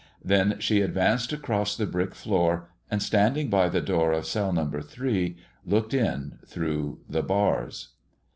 Then she advanced across the brick floor, and standing by the door of Cell No. 3, looked in through the bars.